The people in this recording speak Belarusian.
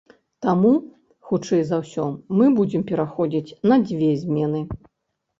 Таму, хутчэй за ўсё, мы будзем пераходзіць на дзве змены.